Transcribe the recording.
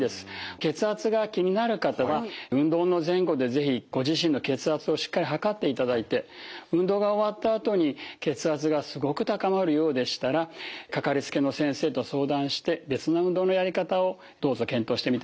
血圧が気になる方は運動の前後で是非ご自身の血圧をしっかり測っていただいて運動が終わったあとに血圧がすごく高まるようでしたらかかりつけの先生と相談して別の運動のやり方をどうぞ検討してみてください。